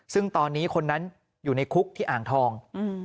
ซึ่งตอนนี้คนนั้นอยู่ในคุกที่อ่างทอง